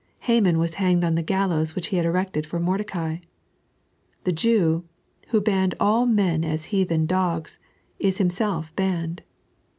Haman was hanged on the gallows which he had erected for Mordecai. The Jew, who banned all men as heathen dogs, is himself banned.